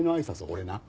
俺な。